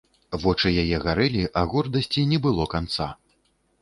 Вочы яе гарэлі, а гордасці не было канца.